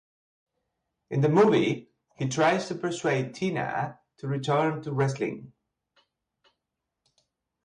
In the movie, he tries to persuade Tina to return to wrestling.